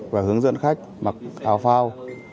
và hướng dẫn khách mặc áo phào